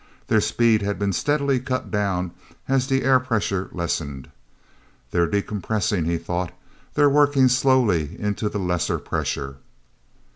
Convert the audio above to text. Their speed had been steadily cut down as the air pressure lessened. "They're decompressing," he thought. "They're working slowly into the lesser pressure."